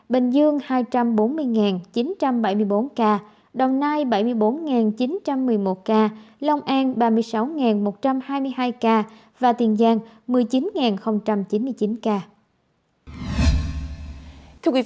bình dương hai trăm bốn mươi chín trăm bảy mươi bốn ca đồng nai bảy mươi bốn chín trăm một mươi một ca long an ba mươi sáu một trăm hai mươi hai ca và tiền giang một mươi chín chín mươi chín ca